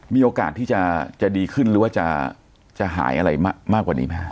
มีโอกาสที่จะดีขึ้นหรือว่าจะหายอะไรมากกว่านี้ไหมครับ